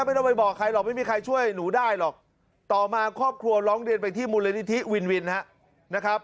ไม่ต้องไปบอกใครหรอกไม่มีใครช่วยหนูได้หรอกต่อมาครอบครัวร้องเรียนไปที่มูลนิธิวินวินนะครับ